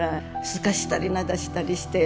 すかしたりなだしたりして。